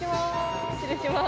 失礼します。